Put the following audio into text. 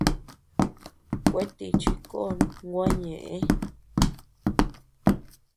Kuetíchi kon gua ñeʼë.